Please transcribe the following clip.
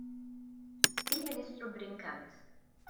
Il-Ministru Brincat.